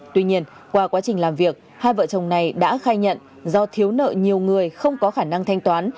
tuy nhiên qua quá trình làm việc hai vợ chồng này đã khai nhận do thiếu nợ nhiều người không có khả năng thanh toán